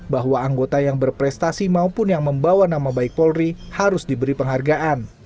bahwa anggota yang berprestasi maupun yang membawa nama baik polri harus diberi penghargaan